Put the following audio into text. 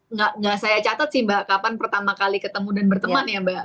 nggak saya catat sih mbak kapan pertama kali ketemu dan berteman ya mbak